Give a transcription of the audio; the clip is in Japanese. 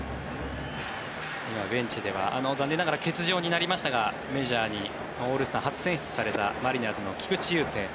今、ベンチでは残念ながら欠場になりましたがオールスター初選出されたマリナーズの菊池雄星